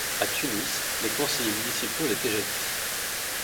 À Tunis, les conseillers municipaux l'étaient jadis.